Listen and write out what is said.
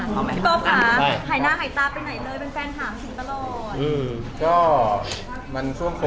พี่ก๊อฟค่ะหายหน้าหายตาไปไหนเลยเป็นแฟนถามถึงตลอด